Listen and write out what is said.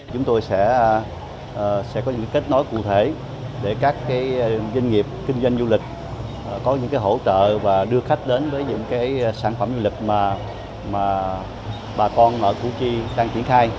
chúng tôi sẽ có những kết nối cụ thể để các doanh nghiệp kinh doanh du lịch có những hỗ trợ và đưa khách đến với những sản phẩm du lịch mà bà con ở củ chi đang triển khai